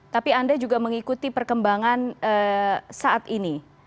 tapi anda juga mengikuti perkembangan saat ini